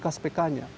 itu adalah bekas pk nya